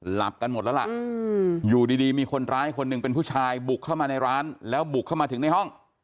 หลับกันหมดแล้วล่ะอยู่ดีมีคนร้ายคนหนึ่งเป็นผู้ชายบุกเข้ามาในร้านแล้วบุกเข้ามาถึงในห้อง